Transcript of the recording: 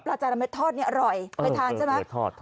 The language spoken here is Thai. ปลาจาระเม็ดทอดเนี้ยอร่อยเออไปทานใช่ไหมทอด